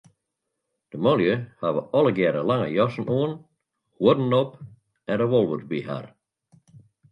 De manlju hawwe allegearre lange jassen oan, huodden op en revolvers by har.